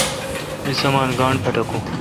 می سامان گاݨڈ پٹکون۔